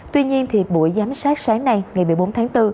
tuy nhiên buổi giám sát sáng nay ngày một mươi bốn tháng bốn